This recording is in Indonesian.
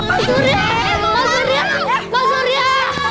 mas surya mas surya